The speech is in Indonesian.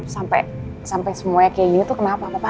sampai sampai semuanya kayak gini tuh kenapa papa